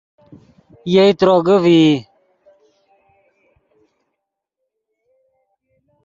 یئے تروگے ڤئی